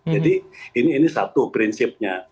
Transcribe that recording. jadi ini satu prinsipnya